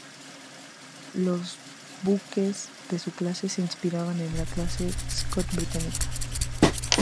Los buques de su clases, se inspiraban en la Clase Scott británica.